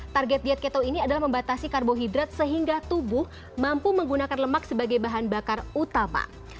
target diet keto ini adalah membatasi karbohidrat sehingga tubuh mampu menggunakan lemak sebagai bahan bakar utama